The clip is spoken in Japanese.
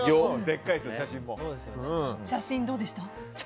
写真どうでした？